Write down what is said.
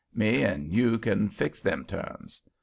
Me 'n' you can fix them terms.